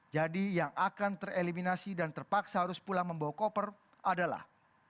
jadi yang akan tereliminasi dan terpaksa harus pulang membawa koper adalah